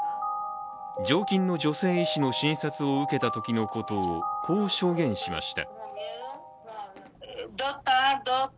常勤の女性医師の診察を受けたときのことをこう証言しました。